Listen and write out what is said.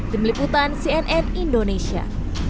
demikian cnn indonesia